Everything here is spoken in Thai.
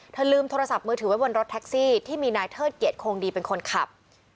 ลืมโทรศัพท์มือถือไว้บนรถแท็กซี่ที่มีนายเทิดเกียจโคงดีเป็นคนขับ